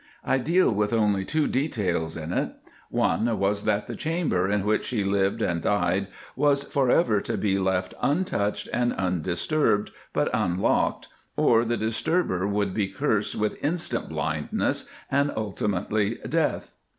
I deal with only two details in it. One was that the chamber in which she lived and died was for ever to be left untouched and undisturbed, but unlocked, or the disturber would be cursed with instant blindness and ultimately death.